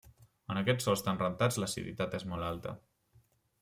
En aquests sòls tan rentats l'aciditat és molt alta.